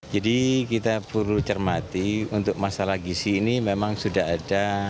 jadi kita perlu cermati untuk masalah gizi ini memang sudah ada